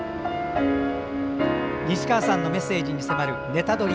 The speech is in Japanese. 西川さんのメッセージに迫る「ネタドリ！」。